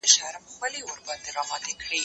ايا ته لاس مينځې!.